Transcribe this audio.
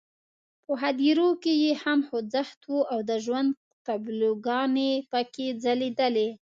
په هدیرو کې یې هم خوځښت وو او د ژوند تابلوګانې پکې ځلېدې.